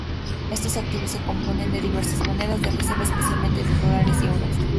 Estos activos se componen de diversas monedas de reserva, especialmente de Dólares y Euros...